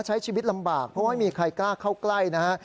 ใช้ชีวิตลำบากเพราะว่าไม่มีใครกล้าเข้าใกล้นะฮะ